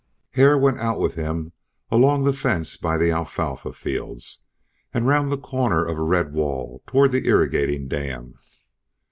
Hare went with him out along the fence by the alfalfa fields, and round the corner of red wall toward the irrigating dam.